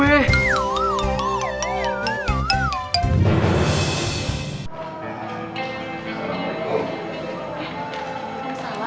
eh kamu salah